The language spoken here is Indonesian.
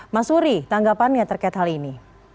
mas uri tanggapannya terkait hal ini